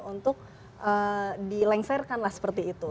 untuk dilengsarkanlah seperti itu